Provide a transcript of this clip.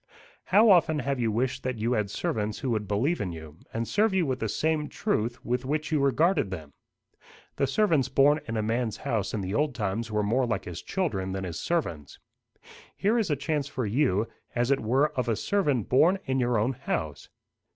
How often have you wished that you had servants who would believe in you, and serve you with the same truth with which you regarded them! The servants born in a man's house in the old times were more like his children than his servants. Here is a chance for you, as it were of a servant born in your own house.